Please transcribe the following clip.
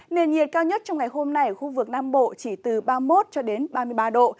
nền nhiệt cao nhất trong ngày hôm nay ở khu vực nam bộ chỉ từ ba mươi một cho đến ba mươi ba độ